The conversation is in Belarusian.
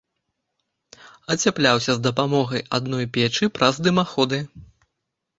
Ацяпляўся з дапамогай адной печы праз дымаходы.